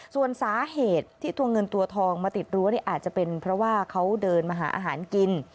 ส่วนสาเหตุที่ตัวเงินตัวทองมาติดรั้วเนี่ยอาจจะเป็นเพราะว่าเขาเดินมาหาอาหารกิน